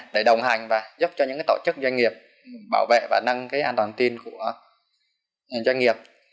để đồng hành và giúp cho những tổ chức doanh nghiệp bảo vệ và nâng an toàn tin của doanh nghiệp